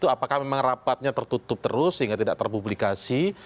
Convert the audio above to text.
apakah memang rapatnya tertutup terus sehingga tidak terpublikasi